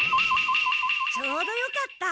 ちょうどよかった。